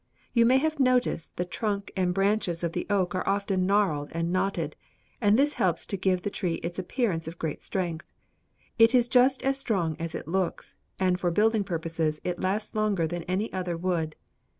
You may have noticed the trunk and branches of the oak are often gnarled and knotted, and this helps to give the tree its appearance of great strength. It is just as strong as it looks, and for building purposes it lasts longer than any other wood.